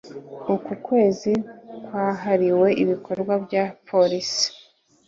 uku kwezi kwahariwe ibikorwa bya polisi